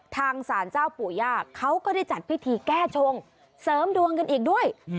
ทางศาลเจ้าปู่ย่าเขาก็ได้จัดพิธีแก้ชงเสริมดวงกันอีกด้วย